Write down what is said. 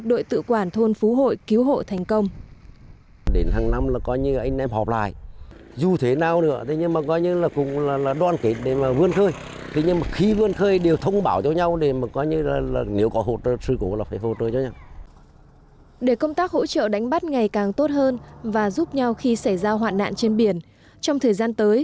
đội tự quản của thôn phú hội xã triệu an huyện triệu phong tỉnh quảng trị đã phát huy hiệu quả mô hình đội tàu tàu tàu tàu